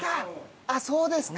あっそうですか。